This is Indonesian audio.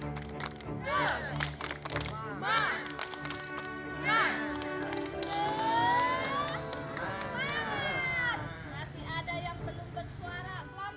masih ada yang belum bersuara selamat pagi